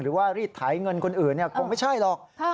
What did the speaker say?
หรือว่ารีดไถเงินคนอื่นก็ไม่ใช่หรอก